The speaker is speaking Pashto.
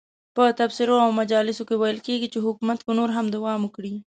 په تبصرو او مجالسو کې ویل کېږي چې حکومت که نور هم دوام وکړي.